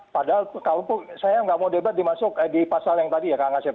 padahal saya nggak mau debat di masuk di pasal yang tadi ya kak asep